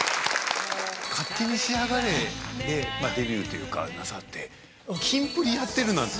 『勝手にしやがれ』で。というかなさってキンプリやってるなんて。